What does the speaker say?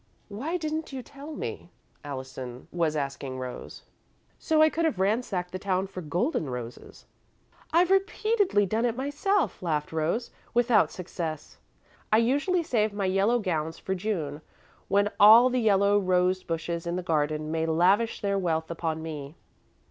"Why didn't you tell me?" Allison was asking Rose, "so I could have ransacked the town for golden roses?" "I've repeatedly done it myself," laughed Rose, "without success. I usually save my yellow gowns for June when all the yellow rose bushes in the garden may lavish their wealth upon me."